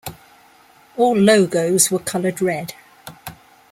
All logos were colored red.